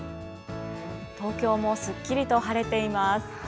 東京もすっきりと晴れています。